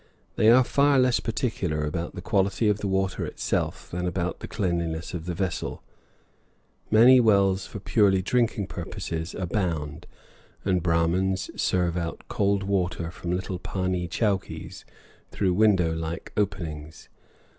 They are far less particular about the quality of the water itself than about the cleanliness of the vessel. Many wells for purely drinking purposes abound, and Brahmans serve out cool water from little pahnee chowkees through window like openings.